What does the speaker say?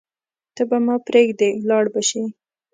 ته به ما پریږدې ولاړه به شې